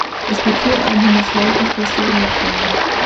Das Kulturerbe muss häufig restauriert werden.